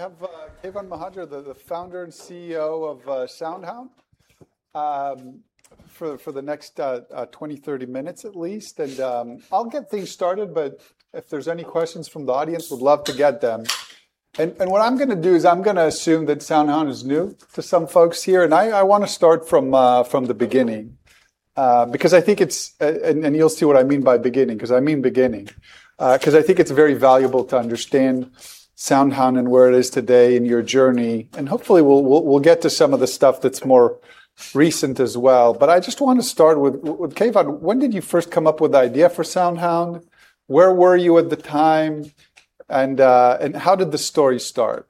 Have Keyvan Mohajer, the founder and CEO of SoundHound, for the next 20-30 minutes at least. I'll get things started, but if there's any questions from the audience, would love to get them. What I'm going to do is I'm going to assume that SoundHound is new to some folks here, and I want to start from the beginning. You'll see what I mean by beginning, because I mean beginning. I think it's very valuable to understand SoundHound and where it is today in your journey. Hopefully, we'll get to some of the stuff that's more recent as well. I just want to start with, Keyvan, when did you first come up with the idea for SoundHound? Where were you at the time, and how did the story start?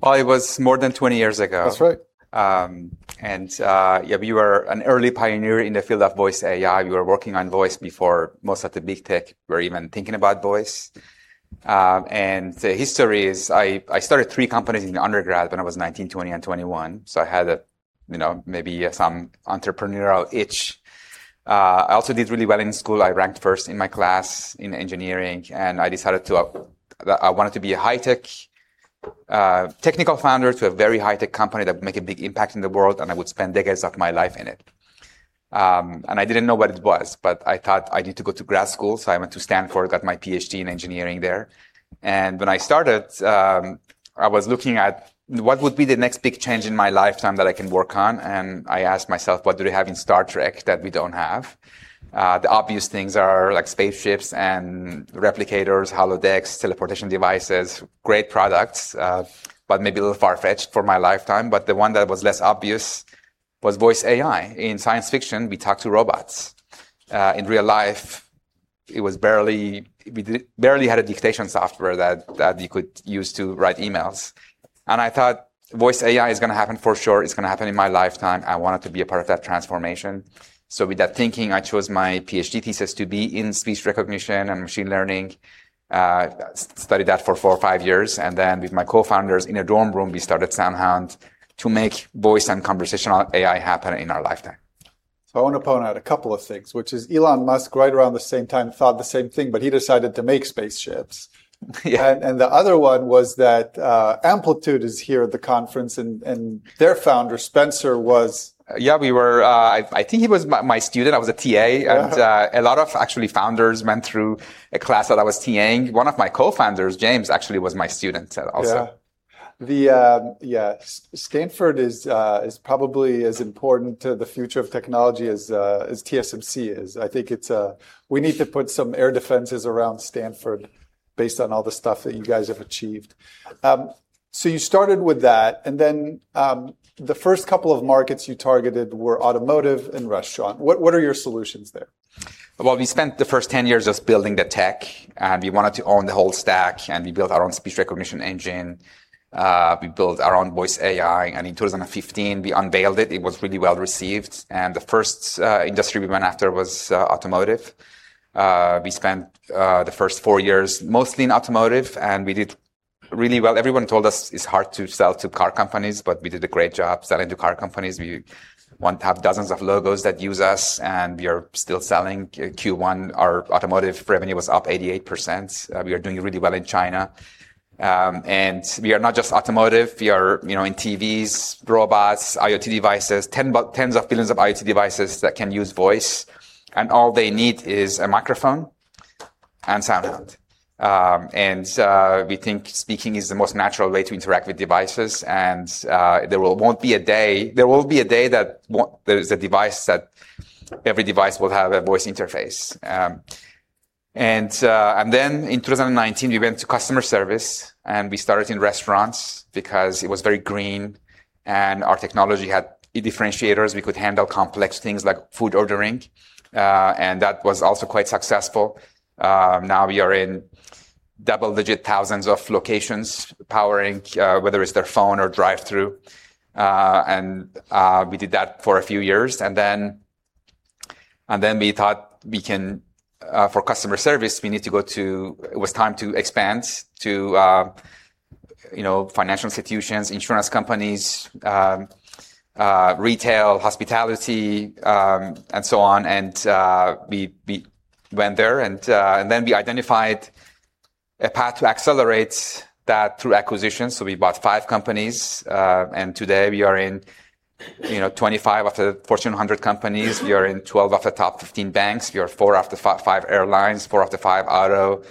Well, it was more than 20 years ago. That's right. Yeah, we were an early pioneer in the field of voice AI. We were working on voice before most of the big tech were even thinking about voice. The history is I started three companies in undergrad when I was 19, 20, and 21, so I had maybe some entrepreneurial itch. I also did really well in school. I ranked first in my class in engineering, and I decided that I wanted to be a high-tech technical founder to a very high-tech company that would make a big impact in the world, and I would spend decades of my life in it. I didn't know what it was, but I thought I need to go to grad school, so I went to Stanford, got my PhD in engineering there. When I started, I was looking at what would be the next big change in my lifetime that I can work on, I asked myself, what do they have in Star Trek that we don't have? The obvious things are spaceships and replicators, Holodecks, teleportation devices, great products, but maybe a little far-fetched for my lifetime. The one that was less obvious was voice AI. In science fiction, we talk to robots. In real life, we barely had a dictation software that you could use to write emails. I thought voice AI is going to happen for sure. It's going to happen in my lifetime. I wanted to be a part of that transformation. With that thinking, I chose my PhD thesis to be in speech recognition and machine learning. Studied that for four or five years, then with my co-founders in a dorm room, we started SoundHound to make voice and conversational AI happen in our lifetime. I want to point out a couple of things, which is Elon Musk right around the same time thought the same thing, he decided to make spaceships. Yeah. The other one was that Amplitude is here at the conference, their founder, Spenser, was. I think he was my student. I was a TA. Yeah. A lot of actually founders went through a class that I was TA-ing. One of my co-founders, James, actually was my student also. Stanford is probably as important to the future of technology as TSMC is. I think we need to put some air defenses around Stanford based on all the stuff that you guys have achieved. You started with that, and then the first couple of markets you targeted were automotive and restaurant. What are your solutions there? We spent the first 10 years just building the tech, and we wanted to own the whole stack, and we built our own speech recognition engine. We built our own voice AI. In 2015, we unveiled it. It was really well-received. The first industry we went after was automotive. We spent the first four years mostly in automotive, and we did really well. Everyone told us it's hard to sell to car companies, but we did a great job selling to car companies. We want to have dozens of logos that use us, and we are still selling. Q1, our automotive revenue was up 88%. We are doing really well in China. We are not just automotive. We are in TVs, robots, IoT devices, tens of billions of IoT devices that can use voice, and all they need is a microphone and SoundHound. We think speaking is the most natural way to interact with devices, there will be a day that every device will have a voice interface. In 2019, we went to customer service, we started in restaurants because it was very green, our technology had differentiators. We could handle complex things like food ordering. That was also quite successful. Now we are in double-digit thousands of locations powering, whether it's their phone or drive-through. We did that for a few years. We thought for customer service, it was time to expand to financial institutions, insurance companies, retail, hospitality, and so on. We went there, we identified a path to accelerate that through acquisitions. We bought five companies. Today we are in 25 of the Fortune 100 companies. We are in 12 of the top 15 banks. We are four of the five airlines, four of the five auto,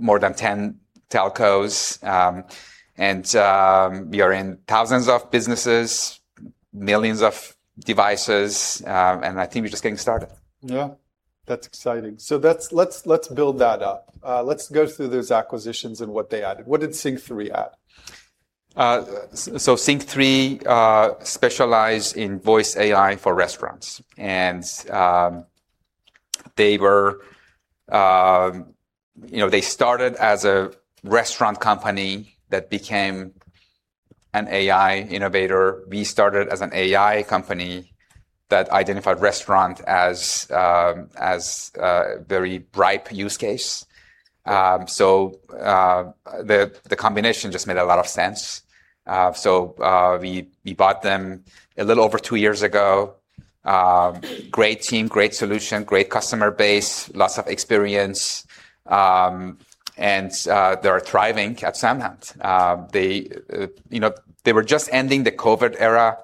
more than 10 telcos. We are in thousands of businesses, millions of devices. I think we're just getting started. Yeah. That's exciting. Let's build that up. Let's go through those acquisitions and what they added. What did SYNQ3 add? SYNQ3 specialized in voice AI for restaurants. They started as a restaurant company that became an AI innovator. We started as an AI company that identified restaurant as a very ripe use case. The combination just made a lot of sense. We bought them a little over two years ago. Great team, great solution, great customer base, lots of experience, they are thriving at SoundHound. They were just ending the COVID era,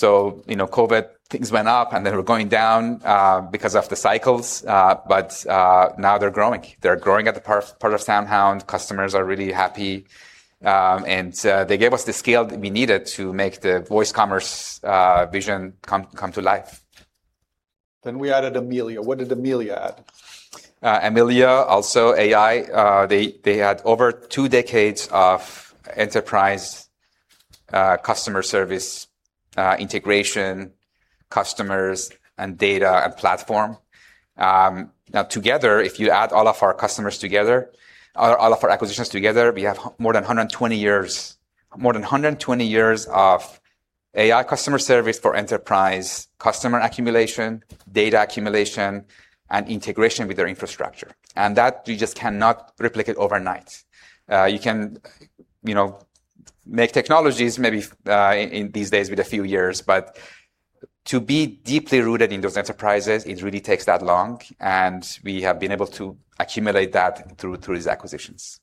COVID things went up, they were going down because of the cycles, now they're growing. They're growing at the part of SoundHound. Customers are really happy, they gave us the scale that we needed to make the voice commerce vision come to life. We added Amelia. What did Amelia add? Amelia, also AI, they had over two decades of enterprise customer service integration, customers, and data and platform. Together, if you add all of our customers together, all of our acquisitions together, we have more than 120 years of AI customer service for enterprise, customer accumulation, data accumulation, and integration with their infrastructure. That you just cannot replicate overnight. You can make technologies maybe in these days with a few years, but to be deeply rooted in those enterprises, it really takes that long, and we have been able to accumulate that through these acquisitions.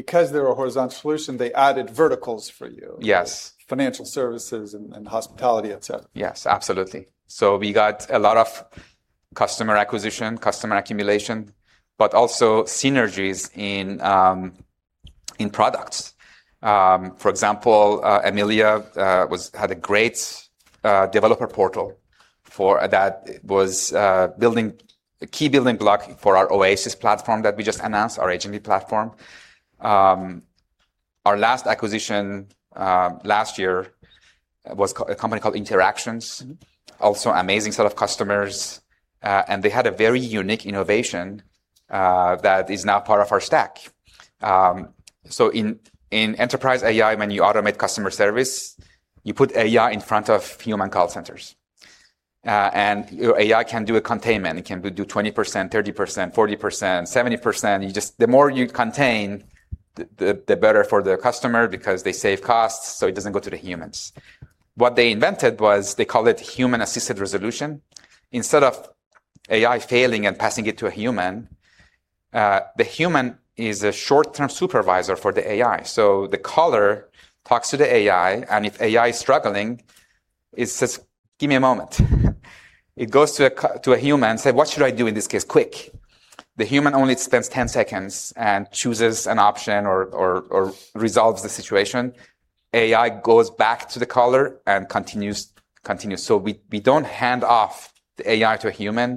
Because they're a horizontal solution, they added verticals for you. Yes. Financial services and hospitality, et cetera. Yes, absolutely. We got a lot of customer acquisition, customer accumulation, but also synergies in products. For example, Amelia had a great developer portal that was a key building block for our OASYS platform that we just announced, our agentic platform. Our last acquisition, last year, was a company called Interactions. Also amazing set of customers, they had a very unique innovation that is now part of our stack. In enterprise AI, when you automate customer service, you put AI in front of human call centers. Your AI can do a containment. It can do 20%, 30%, 40%, 70%. The more you contain, the better for the customer because they save costs, it doesn't go to the humans. What they invented was they called it human-assisted resolution. Instead of AI failing and passing it to a human, the human is a short-term supervisor for the AI. The caller talks to the AI, and if AI is struggling, it says, "Give me a moment." It goes to a human and say, "What should I do in this case? Quick." The human only spends 10 seconds and chooses an option or resolves the situation. AI goes back to the caller and continues. We don't hand off the AI to a human.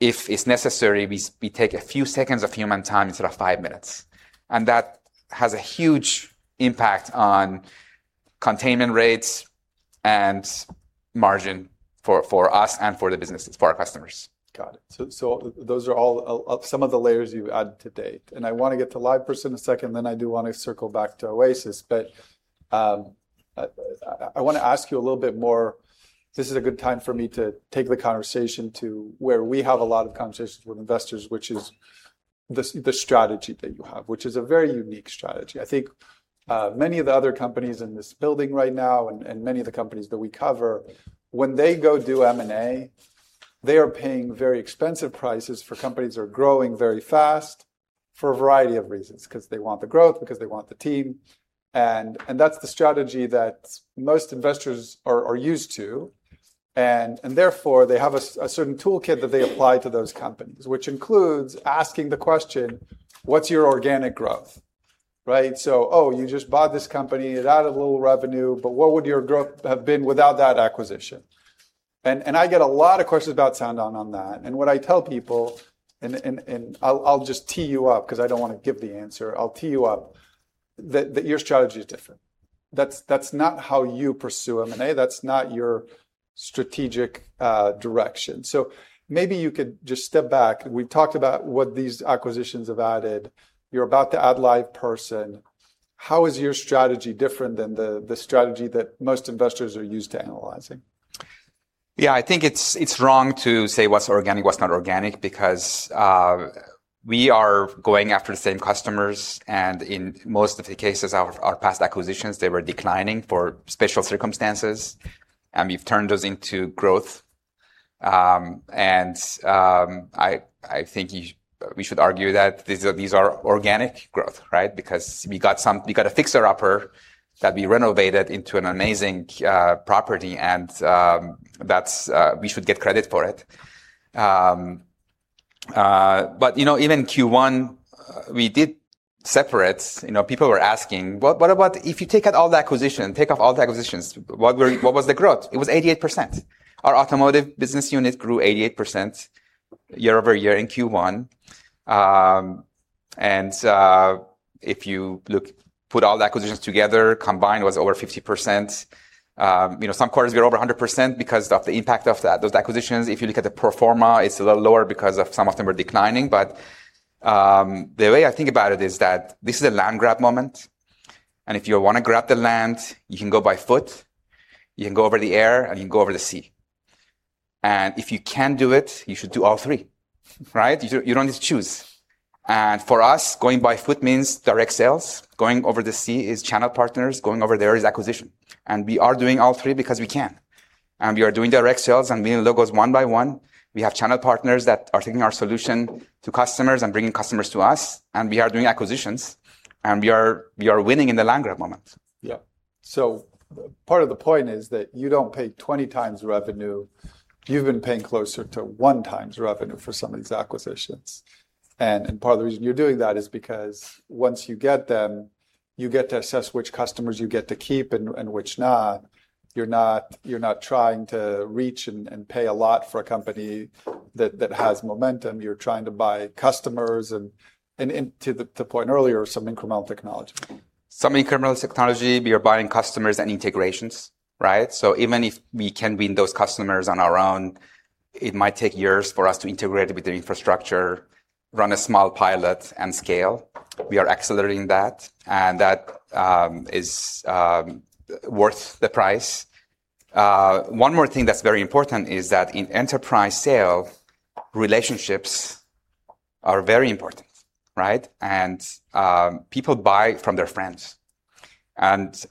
If it's necessary, we take a few seconds of human time instead of five minutes, and that has a huge impact on containment rates and margin for us and for the businesses, for our customers. Got it. Those are some of the layers you've added to date, I want to get to LivePerson in a second, I do want to circle back to OASYS, I want to ask you a little bit more. This is a good time for me to take the conversation to where we have a lot of conversations with investors, which is the strategy that you have, which is a very unique strategy. I think many of the other companies in this building right now and many of the companies that we cover, when they go do M&A, they are paying very expensive prices for companies that are growing very fast for a variety of reasons, because they want the growth, because they want the team, and that's the strategy that most investors are used to. Therefore, they have a certain toolkit that they apply to those companies, which includes asking the question, what's your organic growth, right? Oh, you just bought this company, it added a little revenue, but what would your growth have been without that acquisition? I get a lot of questions about SoundHound on that. What I tell people, and I'll just tee you up because I don't want to give the answer. I'll tee you up that your strategy is different. That's not how you pursue M&A. That's not your strategic direction. Maybe you could just step back. We've talked about what these acquisitions have added. You're about to add LivePerson. How is your strategy different than the strategy that most investors are used to analyzing? Yeah. I think it's wrong to say what's organic, what's not organic, because we are going after the same customers, and in most of the cases, our past acquisitions, they were declining for special circumstances, and we've turned those into growth. I think we should argue that these are organic growth, right? Because we got a fixer-upper that we renovated into an amazing property, and we should get credit for it. Even Q1, we did separate. People were asking, "If you take out all the acquisition, take off all the acquisitions, what was the growth?" It was 88%. Our automotive business unit grew 88% year-over-year in Q1. If you put all the acquisitions together, combined was over 50%. Some quarters were over 100% because of the impact of those acquisitions. If you look at the pro forma, it's a little lower because of some of them are declining. The way I think about it is that this is a land grab moment, if you want to grab the land, you can go by foot, you can go over the air, and you can go over the sea. If you can do it, you should do all three, right? You don't need to choose. For us, going by foot means direct sales. Going over the sea is channel partners. Going over there is acquisition. We are doing all three because we can. We are doing direct sales and winning logos one by one. We have channel partners that are taking our solution to customers and bringing customers to us, and we are doing acquisitions, and we are winning in the land grab moment. Yeah. Part of the point is that you don't pay 20x revenue. You've been paying closer to one times revenue for some of these acquisitions. Part of the reason you're doing that is because once you get them, you get to assess which customers you get to keep and which not. You're not trying to reach and pay a lot for a company that has momentum. You're trying to buy customers and, to the point earlier, some incremental technology. Some incremental technology. We are buying customers and integrations, right? Even if we can win those customers on our own, it might take years for us to integrate with the infrastructure, run a small pilot, and scale. We are accelerating that, and that is worth the price. One more thing that's very important is that in enterprise sales, relationships are very important, right? People buy from their friends.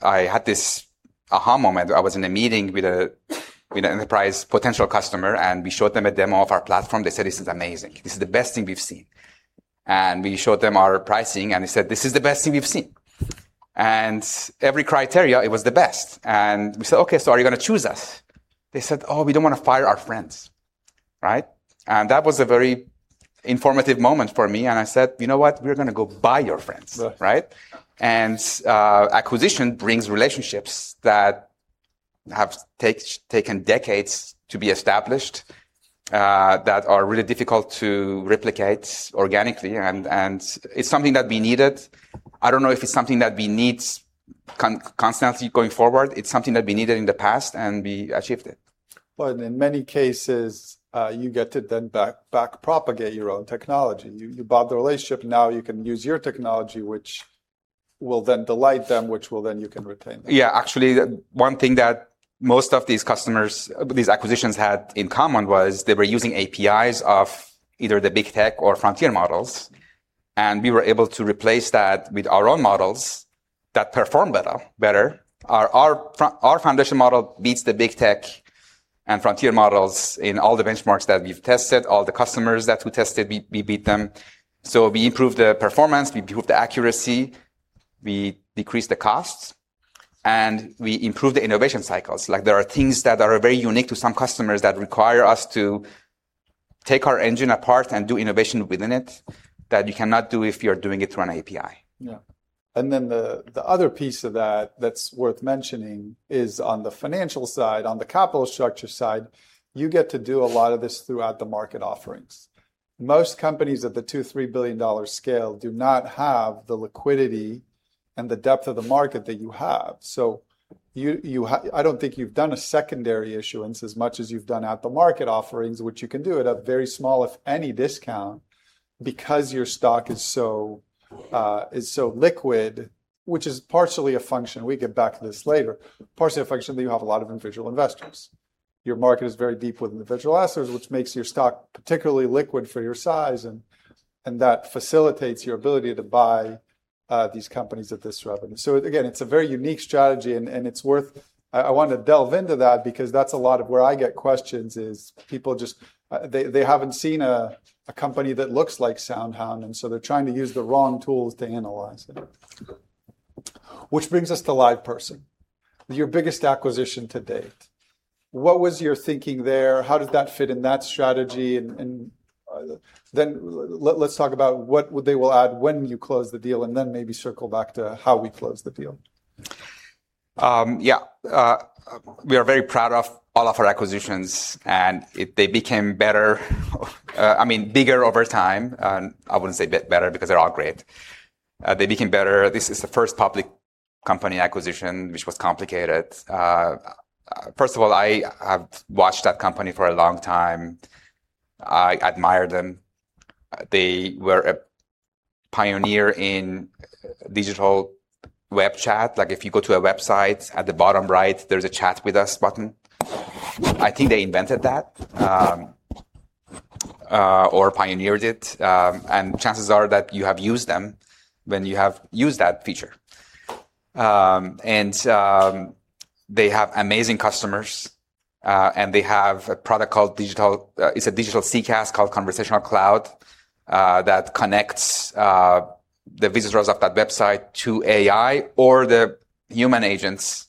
I had this aha moment. I was in a meeting with an enterprise potential customer, and we showed them a demo of our platform. They said, "This is amazing. This is the best thing we've seen." We showed them our pricing, and they said, "This is the best thing we've seen." Every criteria, it was the best. We said, "Okay, are you going to choose us?" They said, "Oh, we don't want to fire our friends." Right? That was a very informative moment for me, and I said, "You know what? We're going to go buy your friends. Right. Right? Acquisition brings relationships that have taken decades to be established, that are really difficult to replicate organically, and it's something that we needed. I don't know if it's something that we need constantly going forward. It's something that we needed in the past, and we achieved it. Well, in many cases, you get to then back propagate your own technology. You bought the relationship. You can use your technology, which will then delight them, which will then you can retain them. Yeah. Actually, one thing that most of these customers, these acquisitions had in common was they were using APIs of either the big tech or frontier models, and we were able to replace that with our own models that perform better. Our foundation model beats the big tech and frontier models in all the benchmarks that we've tested, all the customers that we tested, we beat them. We improved the performance, we improved the accuracy, we decreased the costs, and we improved the innovation cycles. There are things that are very unique to some customers that require us to take our engine apart and do innovation within it that you cannot do if you're doing it through an API. Yeah. The other piece of that that's worth mentioning is on the financial side, on the capital structure side, you get to do a lot of this throughout the market offerings. Most companies at the $2 billion or $3 billion scale do not have the liquidity and the depth of the market that you have. I don't think you've done a secondary issuance as much as you've done at-the-market offerings, which you can do at a very small, if any, discount because your stock is so liquid, which is partially a function, we get back to this later, partially a function that you have a lot of individual investors. Your market is very deep with individual investors, which makes your stock particularly liquid for your size, and that facilitates your ability to buy these companies at this revenue. Again, it's a very unique strategy. I wanted to delve into that because that's a lot of where I get questions is people just, they haven't seen a company that looks like SoundHound, they're trying to use the wrong tools to analyze it. Which brings us to LivePerson, your biggest acquisition to date. What was your thinking there? How did that fit in that strategy? Let's talk about what they will add when you close the deal, maybe circle back to how we close the deal. Yeah. We are very proud of all of our acquisitions, they became better, I mean bigger over time. I wouldn't say better because they're all great. They became better. This is the first public company acquisition, which was complicated. First of all, I have watched that company for a long time. I admire them. They were a pioneer in digital web chat. Like if you go to a website, at the bottom right, there's a Chat With Us button. I think they invented that, or pioneered it. Chances are that you have used them when you have used that feature. They have amazing customers, and they have a product called digital, it's a digital CCaaS called Conversational Cloud, that connects the visitors of that website to AI or the human agents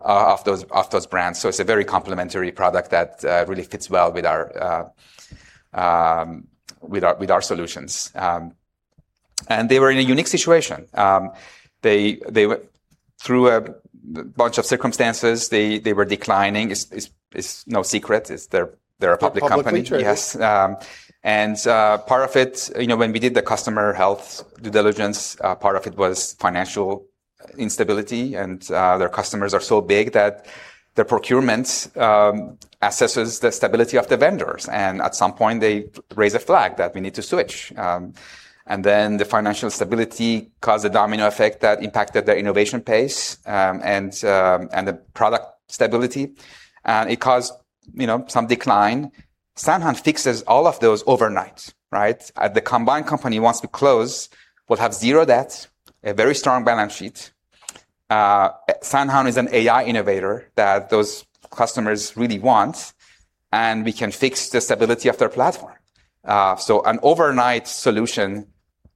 of those brands. It's a very complementary product that really fits well with our solutions. They were in a unique situation. Through a bunch of circumstances, they were declining. It's no secret. It's their public company. Publicly traded. Yes. Part of it, when we did the customer health due diligence, part of it was financial instability. Their customers are so big that their procurement assesses the stability of the vendors, at some point they raise a flag that we need to switch. The financial instability caused a domino effect that impacted their innovation pace, the product stability. It caused some decline. SoundHound fixes all of those overnight. Right? The combined company, once we close, will have zero debt, a very strong balance sheet. SoundHound is an AI innovator that those customers really want, and we can fix the stability of their platform. An overnight solution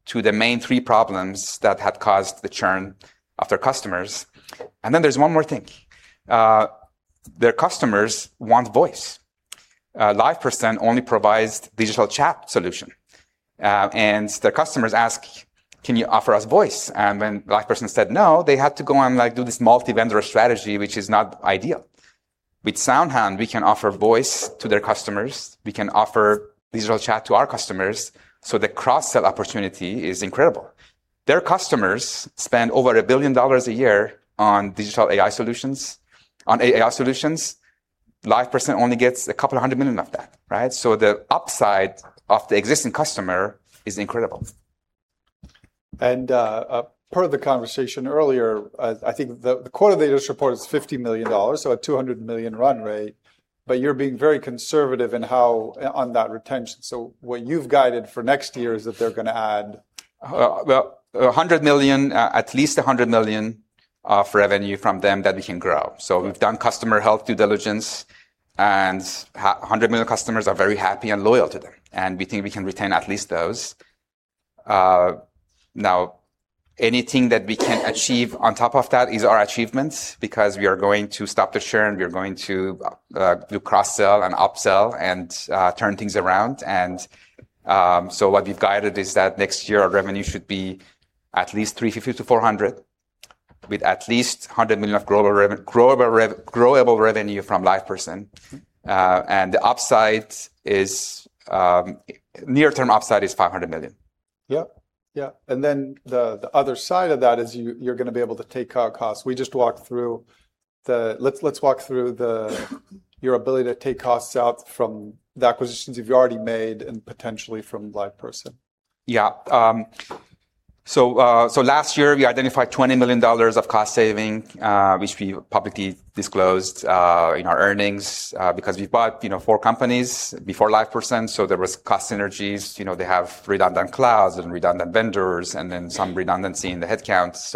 to the main three problems that had caused the churn of their customers. There's one more thing. Their customers want voice. LivePerson only provides digital chat solution. Their customers ask, "Can you offer us voice?" When LivePerson said no, they had to go and do this multi-vendor strategy, which is not ideal. With SoundHound, we can offer voice to their customers, we can offer digital chat to our customers, the cross-sell opportunity is incredible. Their customers spend over $1 billion a year on digital AI solutions, on AI solutions. LivePerson only gets a couple of 100 million of that. Right? The upside of the existing customer is incredible. Part of the conversation earlier, I think the quote of the annual report is $50 million, a $200 million run rate, but you're being very conservative on that retention. What you've guided for next year is that they're going to add. Well, $100 million, at least $100 million of revenue from them that we can grow. We've done customer health due diligence, and $100 million customers are very happy and loyal to them, and we think we can retain at least those. Now, anything that we can achieve on top of that is our achievement because we are going to stop the churn, we are going to do cross-sell and up-sell and turn things around. What we've guided is that next year our revenue should be at least $350 million-$400 million with at least $100 million of growable revenue from LivePerson. The near-term upside is $500 million. Yep. Yeah. The other side of that is you're going to be able to take out costs. Let's walk through your ability to take costs out from the acquisitions you've already made and potentially from LivePerson. Yeah. Last year, we identified $20 million of cost saving, which we publicly disclosed in our earnings, because we bought four companies before LivePerson, so there was cost synergies. They have redundant clouds and redundant vendors, and then some redundancy in the headcounts.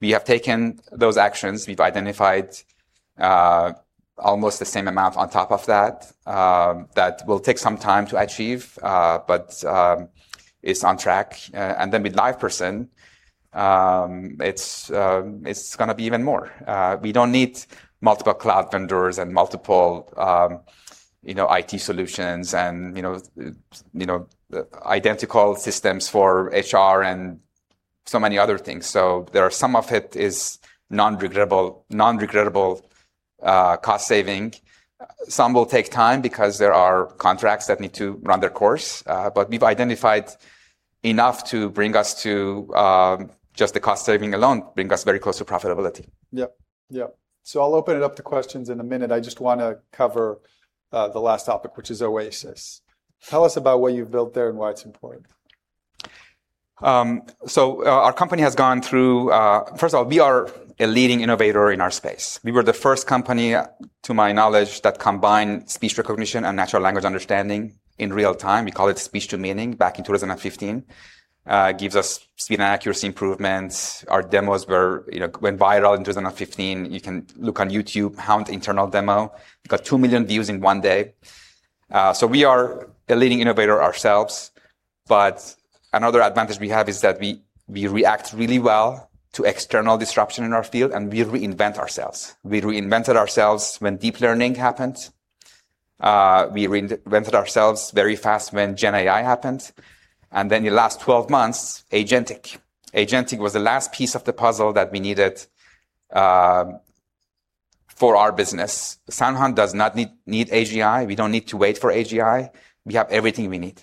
We have taken those actions. We've identified almost the same amount on top of that. That will take some time to achieve, but it's on track. With LivePerson, it's going to be even more. We don't need multiple cloud vendors and multiple IT solutions and identical systems for HR and so many other things. Some of it is non-regrettable cost saving. Some will take time because there are contracts that need to run their course. We've identified enough to bring us to just the cost saving alone, bring us very close to profitability. Yep. I'll open it up to questions in a minute. I just want to cover the last topic, which is OASYS. Tell us about what you've built there and why it's important. Our company. First of all, we are a leading innovator in our space. We were the first company, to my knowledge, that combined speech recognition and natural language understanding in real time, we called it Speech-to-Meaning, back in 2015. Gives us speed and accuracy improvements. Our demos went viral in 2015. You can look on YouTube, "Hound internal demo." It got 2 million views in one day. We are a leading innovator ourselves, but another advantage we have is that we react really well to external disruption in our field, and we reinvent ourselves. We reinvented ourselves when deep learning happened. We reinvented ourselves very fast when Gen AI happened. Then the last 12 months, agentic. Agentic was the last piece of the puzzle that we needed for our business. SoundHound does not need AGI. We don't need to wait for AGI. We have everything we need.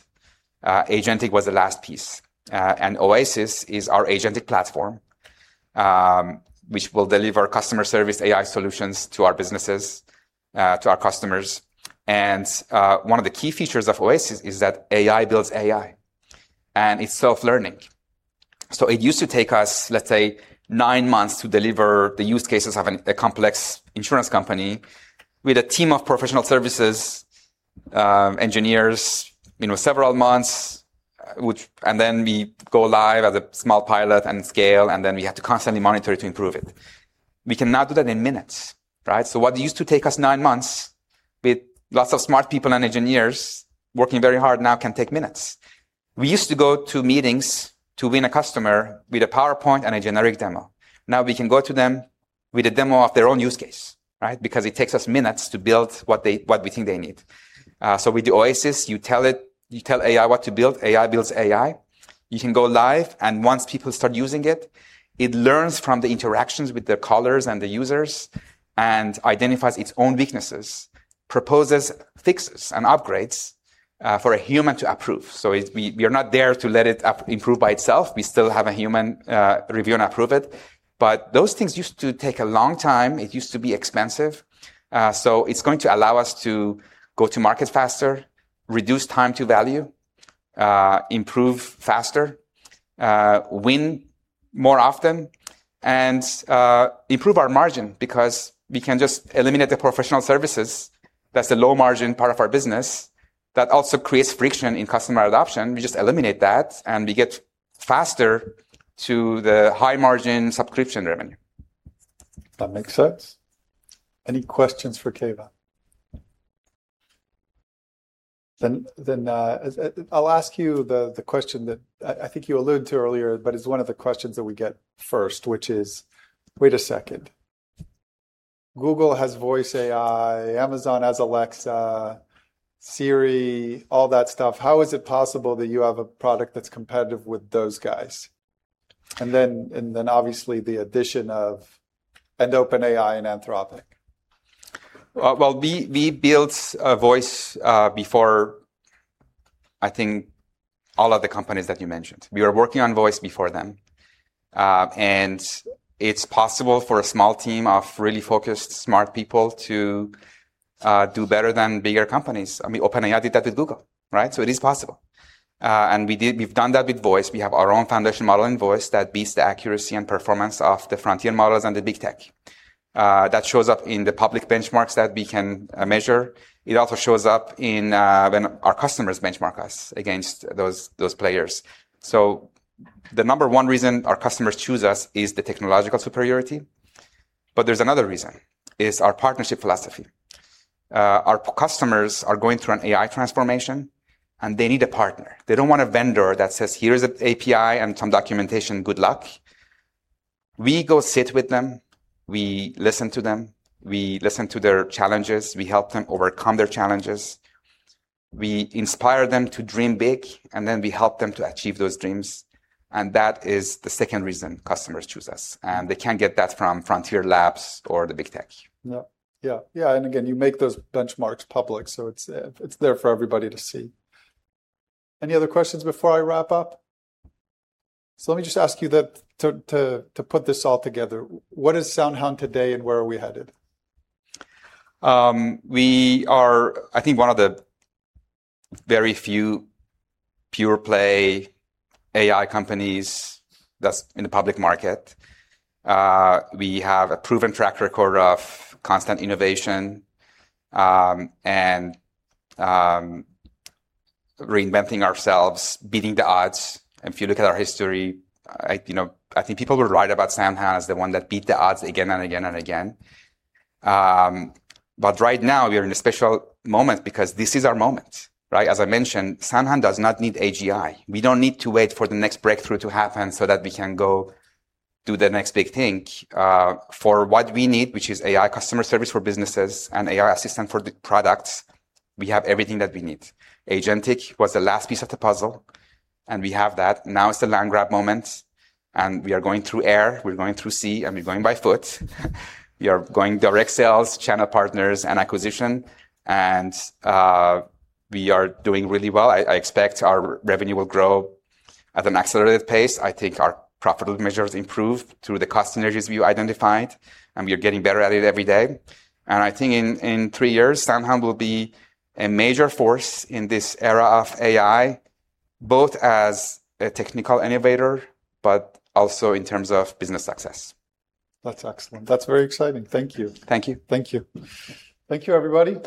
Agentic was the last piece. OASYS is our agentic platform, which will deliver customer service AI solutions to our businesses, to our customers. One of the key features of OASYS is that AI builds AI, and it's self-learning. It used to take us, let's say, nine months to deliver the use cases of a complex insurance company with a team of professional services, engineers, several months and then we go live as a small pilot and scale, and then we have to constantly monitor it to improve it. We can now do that in minutes. Right? What used to take us nine months with lots of smart people and engineers working very hard now can take minutes. We used to go to meetings to win a customer with a PowerPoint and a generic demo. Now we can go to them with a demo of their own use case. Right? Because it takes us minutes to build what we think they need. With the OASYS, you tell AI what to build, AI builds AI. You can go live, and once people start using it learns from the interactions with the callers and the users and identifies its own weaknesses, proposes fixes and upgrades for a human to approve. We are not there to let it improve by itself. We still have a human review and approve it. Those things used to take a long time. It used to be expensive. It's going to allow us to go to market faster, reduce time to value, improve faster, win more often, and improve our margin because we can just eliminate the professional services. That's the low margin part of our business that also creates friction in customer adoption. We just eliminate that and we get faster to the high margin subscription revenue. That makes sense. Any questions for Keyvan? I'll ask you the question that I think you alluded to earlier, but it's one of the questions that we get first, which is, wait a second, Google has voice AI, Amazon has Alexa, Siri, all that stuff. How is it possible that you have a product that's competitive with those guys? Obviously the addition of OpenAI and Anthropic. Well, we built a voice before, I think all of the companies that you mentioned. We were working on voice before them. It's possible for a small team of really focused, smart people to do better than bigger companies. OpenAI did that with Google. It is possible. We've done that with voice. We have our own foundation model in voice that beats the accuracy and performance of the frontier models and the big tech. That shows up in the public benchmarks that we can measure. It also shows up when our customers benchmark us against those players. The number one reason our customers choose us is the technological superiority. But there's another reason, is our partnership philosophy. Our customers are going through an AI transformation, they need a partner. They don't want a vendor that says, "Here's an API and some documentation, good luck." We go sit with them. We listen to them. We listen to their challenges. We help them overcome their challenges. We inspire them to dream big, then we help them to achieve those dreams. That is the second reason customers choose us. They can't get that from Frontier Labs or the big tech. Yeah. Again, you make those benchmarks public, so it's there for everybody to see. Any other questions before I wrap up? Let me just ask you then to put this all together, what is SoundHound today and where are we headed? We are, I think, one of the very few pure play AI companies that's in the public market. We have a proven track record of constant innovation, and reinventing ourselves, beating the odds. If you look at our history, I think people will write about SoundHound as the one that beat the odds again and again and again. Right now, we are in a special moment because this is our moment. As I mentioned, SoundHound does not need AGI. We don't need to wait for the next breakthrough to happen so that we can go do the next big thing. For what we need, which is AI customer service for businesses and AI assistant for the products, we have everything that we need. Agentic was the last piece of the puzzle, and we have that. Now is the land grab moment, we are going through air, we're going through sea, and we're going by foot. We are going direct sales, channel partners, and acquisition, and we are doing really well. I expect our revenue will grow at an accelerated pace. I think our profitable measures improve through the cost synergies we identified, and we are getting better at it every day. I think in three years, SoundHound will be a major force in this era of AI, both as a technical innovator, but also in terms of business success. That's excellent. That's very exciting. Thank you. Thank you. Thank you. Thank you, everybody.